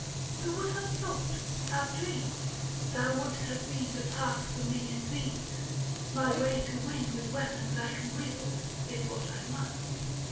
"Who would have thought, have dreamed, thou would'st have been The path for me and these : my way to win \Yith weapons I can wield, is what I must.